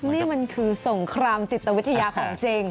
นี่มันคือสงครามจิตวิทยาของจริง